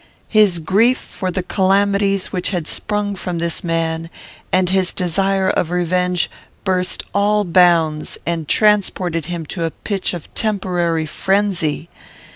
His grief for the calamities which had sprung from this man, and his desire of revenge, burst all bounds, and transported him to a pitch of temporary frenzy.